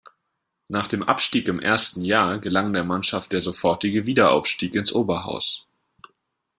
Nach dem Abstieg im ersten Jahr gelang der Mannschaft der sofortige Wiederaufstieg ins Oberhaus.